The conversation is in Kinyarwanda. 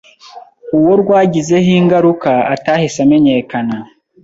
uwo rwagizeho ingaruka atahise amenyekana.